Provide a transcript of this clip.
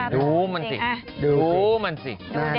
ดูมันสิดูมันสิ